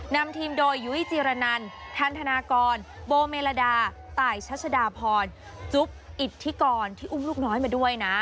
นำทีมโดยยุ้ยจีรนันทันธนากรโบเมลดาตายชัชดาพรจุ๊บอิทธิกรที่อุ้มลูกน้อยมาด้วยนะ